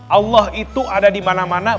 allah itu ada di mana mana